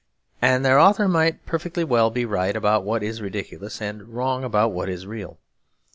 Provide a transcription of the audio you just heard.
And the author might perfectly well be right about what is ridiculous, and wrong about what is real.